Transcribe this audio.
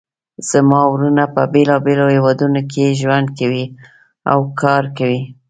زما وروڼه په بیلابیلو هیوادونو کې ژوند کوي او کار کوي